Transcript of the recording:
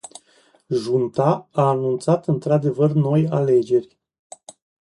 Junta a anunțat într-adevăr noi alegeri.